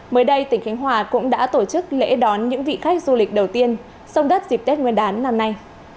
mới đây tỉnh khánh hòa cũng đã tổ chức lễ đón những vị khách du lịch đầu tiên sông đất dịp tết nguyên đán năm nay